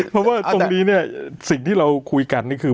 เพราะว่าตรงนี้เนี่ยสิ่งที่เราคุยกันนี่คือ